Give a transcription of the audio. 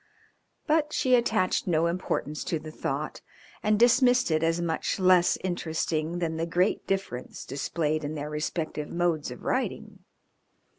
But she attached no importance to the thought, and dismissed it as much less interesting than the great difference displayed in their respective modes of riding.